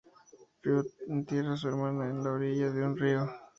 Ryu entierra a su hermana en la orilla de un río.